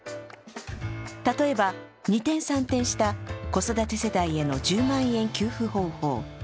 例えば二転三転した子育て世帯への１０万円給付方法。